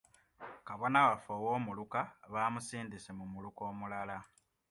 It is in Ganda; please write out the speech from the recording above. Kabona waffe ow'omuluka baamusindise mu muluka omulala.